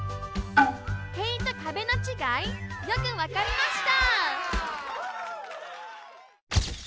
塀と壁のちがいよくわかりました！